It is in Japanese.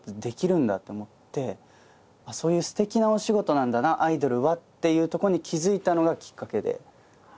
そういうすてきなお仕事なんだなアイドルはっていうとこに気付いたのがきっかけで。